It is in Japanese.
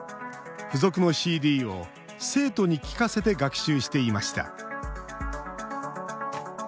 付属のＣＤを生徒に聞かせて学習していました。